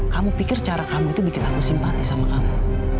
kamu pikir cara kamu itu bikin aku simpati sama kamu